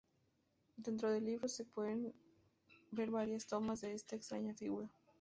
Dentro del libreto se pueden ver varias tomas de esta extraña figura.